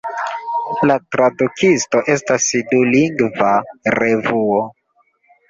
La Tradukisto estas dulingva revuo.